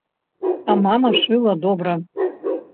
А мама шыла добра.